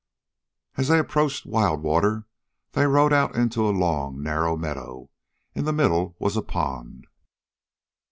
As they approached Wild Water; they rode out into a long narrow meadow. In the middle was a pond.